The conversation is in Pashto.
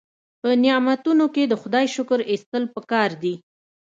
په نعمتونو کې د خدای شکر ایستل پکار دي.